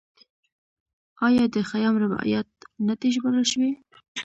آیا د خیام رباعیات نه دي ژباړل شوي؟